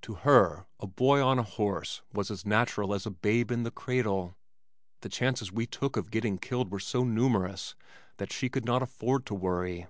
To her a boy on a horse was as natural as a babe in the cradle. The chances we took of getting killed were so numerous that she could not afford to worry.